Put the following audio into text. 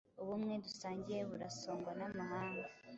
Ubumwe dusangiye burasongwa namahanga